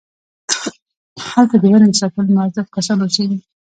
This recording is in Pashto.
هلته د ونې د ساتلو موظف کسان اوسېږي.